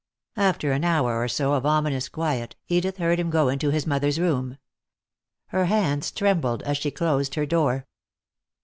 After an hour or so of ominous quiet Edith heard him go into his mother's room. Her hands trembled as she closed her door.